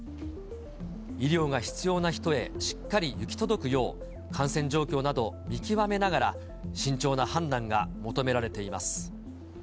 医療が必要な人へしっかり行き届くよう、感染状況などを見極めながら、慎重な判断が求められています。